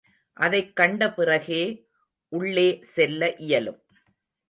அதைக் கண்ட பிறகே, உள்ளே செல்ல இயலும்.